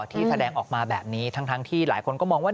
ที่แสดงออกมาแบบนี้ทั้งที่หลายคนก็มองว่า